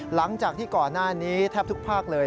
หลังจากที่ก่อนหน้านี้แทบทุกภาคเลย